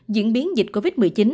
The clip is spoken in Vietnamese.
diễn biến dịch covid một mươi chín